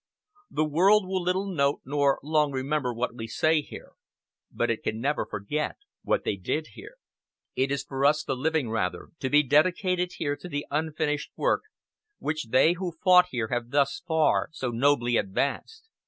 The world will little note nor long remember what we say here, but it can never forget what they did here. It is for us the living, rather, to be dedicated here to the unfinished work which they who fought here have thus far so nobly advanced.